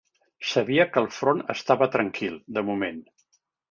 Sabia que el front estava tranquil, de moment